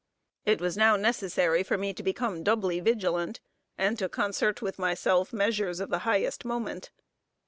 It was now necessary for me to become doubly vigilant, and to concert with myself measures of the highest moment.